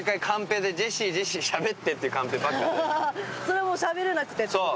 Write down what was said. それはしゃべれなくてってこと？